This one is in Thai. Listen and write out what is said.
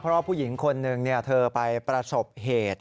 เพราะว่าผู้หญิงคนหนึ่งเธอไปประสบเหตุ